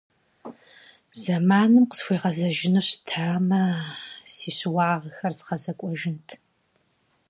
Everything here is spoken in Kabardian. Зэманым къысхуегъэгъэзэжыну щытамэ, си щыуагъэхэр згъэзэкӏуэжынт.